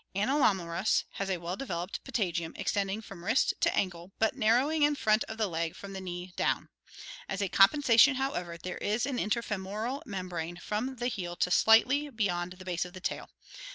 Anotnalurus has a well developed patagium extending from wrist to ankle but narrowing in front of the leg from the knee down. As a compensation, however, there is an interfemoral membrane from the heel to slightly beyond the base of the tail.